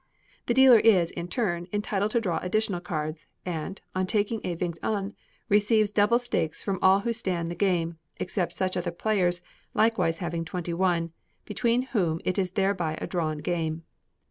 The dealer is, in turn, entitled to draw additional cards; and, on taking a Vingt un, receives double stakes from all who stand the game, except such other players, likewise having twenty one, between whom it is thereby a drawn game.